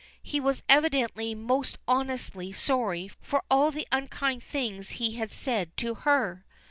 He was evidently most honestly sorry for all the unkind things he had said to her.